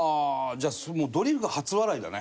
じゃあドリフが初笑いだね。